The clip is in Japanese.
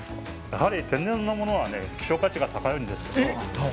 やはり天然のものは希少価値が高いんです。